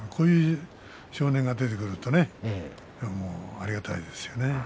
こういう少年が出てくるとねありがたいですよね